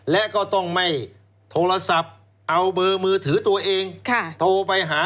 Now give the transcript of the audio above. และก็ต้องไม่โทรศัพท์เอาเบอร์มือถือตัวเองโทรไปหา